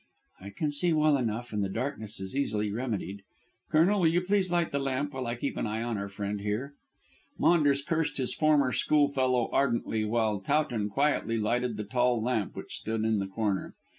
"I can see well enough, and the darkness is easily remedied. Colonel, will you please light the lamp while I keep an eye on our friend here." Maunders cursed his former schoolfellow ardently, while Towton quietly lighted the tall lamp which stood in the corner.